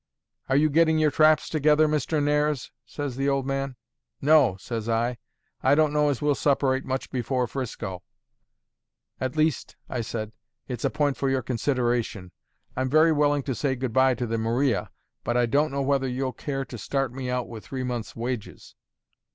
'Are you getting your traps together, Mr. Nares?' says the old man. 'No,' says I, 'I don't know as we'll separate much before 'Frisco; at least,' I said, 'it's a point for your consideration. I'm very willing to say good by to the Maria, but I don't know whether you'll care to start me out with three months' wages.'